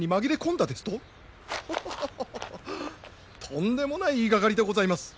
とんでもない言いがかりでございます。